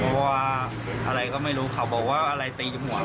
เพราะว่าอะไรก็ไม่รู้เขาบอกว่าอะไรตีหมวก